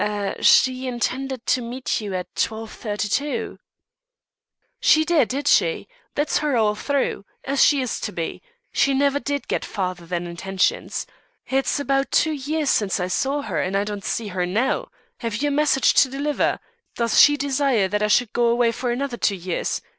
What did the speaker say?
"Eh she intended to meet you at 12.32." "She did, did she? That's her all through. As she used to be. She never did get farther than intentions. It is about two years since I saw her, and I don't see her now. Have you a message to deliver? Does she desire that I should go away for another two years?